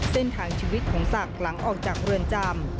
เส้นทางชีวิตของศักดิ์หลังออกจากเรือนจำ